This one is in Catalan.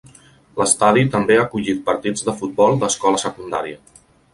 L'estadi també ha acollit partits de futbol d'escola secundària.